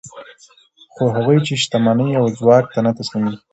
خو هغوی چې شتمنۍ او ځواک ته نه تسلیمېږي